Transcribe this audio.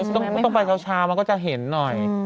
ตรงพละเช้าชาวมาก็จะเห็นน้อย